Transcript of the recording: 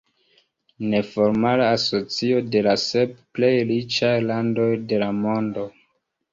Neformala asocio de la sep plej riĉaj landoj de la mondo.